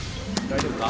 大丈夫か？